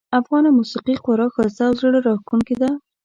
افغانه موسیقي خورا ښایسته او زړه راښکونکې ده